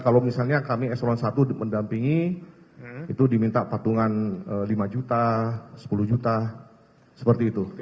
kalau misalnya kami eselon i mendampingi itu diminta patungan lima juta sepuluh juta seperti itu